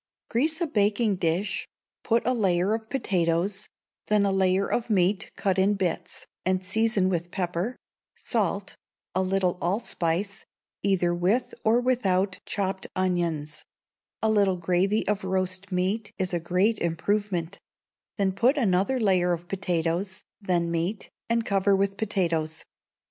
Grease a baking dish; put a layer of potatoes, then a layer of meat cut in bits, and seasoned with pepper, salt, a little allspice, either with or withouf chopped onions; a little gravy of roast meat is a great improvement: then put another layer of potatoes, then meat, and cover with potatoes.